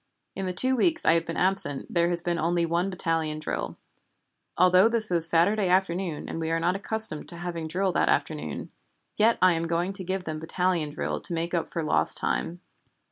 In the two weeks I have been absent there has been only one battalion drill. Although this is Saturday afternoon and we are not accustomed to having drill that afternoon, yet I am going to give them battalion drill to make up for lost time.